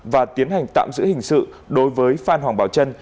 và tiến hành tạm giữ hình sự đối với phan hoàng bảo trân